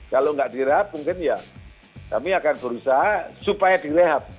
kalau nggak direhat mungkin ya kami akan berusaha supaya direhab